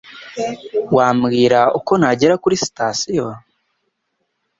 Wambwira uko nagera kuri sitasiyo?